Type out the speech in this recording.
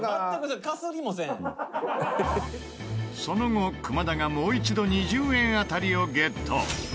その後久間田がもう一度２０円当たりをゲット。